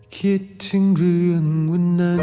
คิดถึงเรื่องวันนั้น